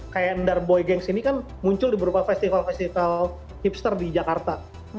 kayak darboy games ini kan muncul di berupa festival festival hipster di jakarta